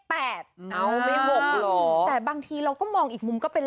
เอาไป๖แต่บางทีเราก็มองอีกมุมก็เป็น